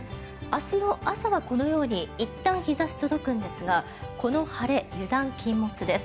明日の朝はこのようにいったん、日差し届くんですがこの晴れ、油断禁物です。